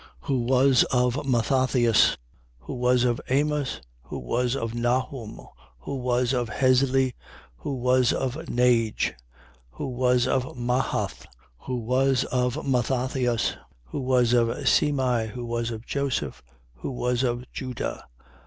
Who was of Mathathias, who was of Amos, who was of Nahum, who was of Hesli, who was of Nagge, 3:26. Who was of Mahath, who was of Mathathias, who was of Semei, who was of Joseph, who was of Juda, 3:27.